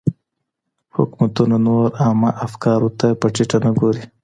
حکومتونه نور عامه افکارو ته په ټيټه نه ګوري.